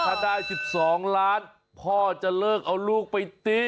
ถ้าได้๑๒ล้านพ่อจะเลิกเอาลูกไปตี